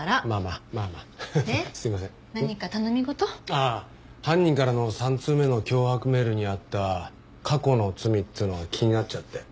ああ犯人からの３通目の脅迫メールにあった「過去の罪」っつうのが気になっちゃって。